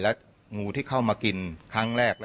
แล้วงูที่เข้ามากินครั้งแรกละ